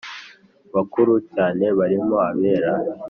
bakuru cyane barimo abera